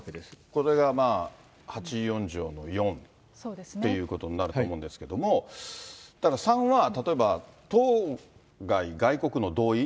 これが８４条の４ということになると思うんですけれども、ただ、３は当該外国の同意。